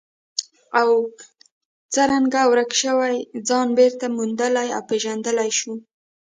او څرنګه ورک شوی ځان بېرته موندلی او پېژندلی شو.